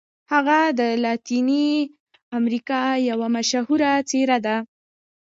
هغه د لاتیني امریکا یوه مشهوره څیره ده.